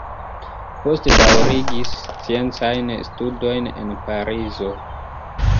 Poste daŭrigis sciencajn studojn en Parizo.